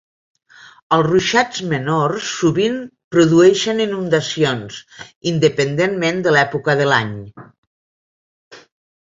Els ruixats menors sovint produeixen inundacions, independentment de l'època de l'any.